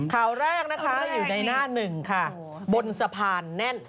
ข่าวแรกนะคะอยู่ในหน้าหนึ่งค่ะบนสะพานแน่น